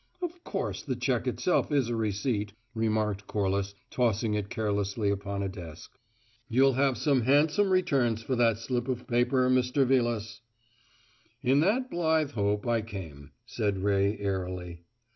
"Of course the cheque itself is a receipt," remarked Corliss, tossing it carelessly upon a desk. "You'll have some handsome returns for that slip of paper, Mr. Vilas." "In that blithe hope I came," said Ray airily.